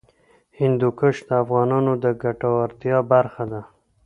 هندوکش د افغانانو د ګټورتیا برخه ده.